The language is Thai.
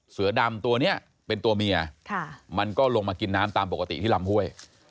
เสือดำตัวนี้เป็นตัวเมียมันก็ลงมากินน้ำตามปกติที่ลำห้วย